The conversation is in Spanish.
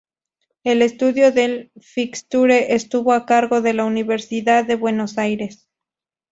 El estudio del fixture estuvo a cargo de la Universidad de Buenos Aires.